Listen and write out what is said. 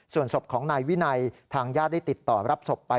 ส่วนศพของนายวินัยทางญาติได้ติดต่อรับศพไป